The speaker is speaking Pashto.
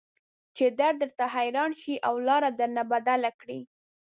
چې درد درته حيران شي او لار درنه بدله کړي.